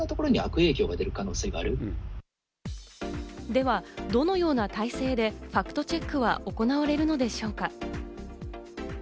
ではどのような体制でファクトチェックは行われるのでしょうか。